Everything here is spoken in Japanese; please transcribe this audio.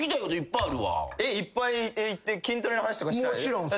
いっぱい行って筋トレの話とかしたい。